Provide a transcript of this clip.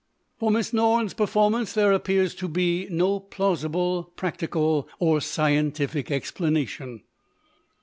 "For Miss Norne's performance there appears to be no plausible, practical or scientific explanation.